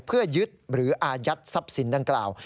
เพื่อยึดหรืออายัดทรัพย์สินดังกล่าว